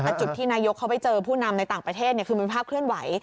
แต่จุดที่นายกเขาไปเจอผู้นำในต่างประเทศคือมันภาพเคลื่อนไหว